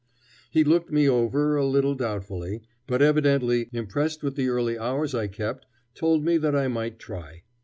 He looked me over a little doubtfully, but evidently impressed with the early hours I kept, told me that I might try.